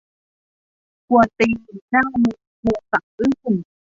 กวนตีน หน้ามึน โฮสะอื้น